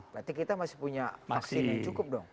berarti kita masih punya vaksin yang cukup dong